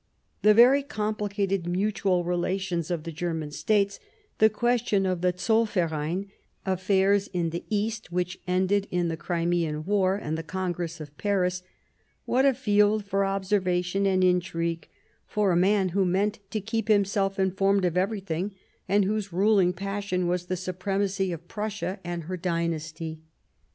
The very complicated mutual relations of the German States; the question of a Zollverein ; affairs in the East which ended in the Crimean War and the Congress of Paris, — ^what a field for observation and intrigue for a man who meant to keep himself informed of everything, and whose ruling passion was the supremacy of Prussia and her dynasty